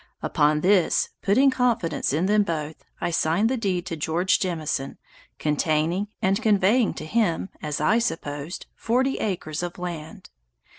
Upon this, putting confidence in them both, I signed the deed to George Jemison, containing, and conveying to him as I supposed, forty acres of land.